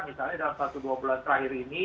misalnya dalam satu dua bulan terakhir ini